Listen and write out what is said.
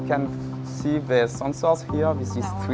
anda bisa melihat sensor sensor di sini